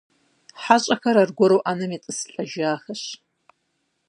Хьэщӏэхэр аргуэру ӏэнэм етӏысылӏэжахэщ.